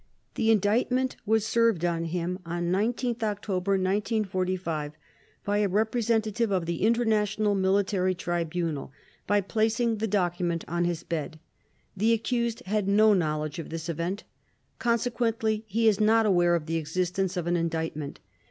The Indictment was served on him on 19 October 1945 by a representative of the International Military Tribunal by placing the document on his bed. The accused had no knowledge of this event. Consequently he is not aware of the existence of an Indictment.